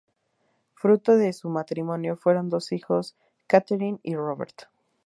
Fruto de su matrimonio fueron dos hijos, Katherine y Robert.